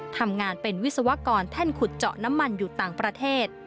ทำงานเป็นวิศวกรแท่นขุดเจาะน้ำมันอยู่ต่างประเทศ